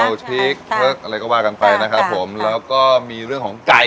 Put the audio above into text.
กระเทียมเจียวชิคเทิกอะไรก็ว่ากันไปนะครับผมแล้วก็มีเรื่องของไก่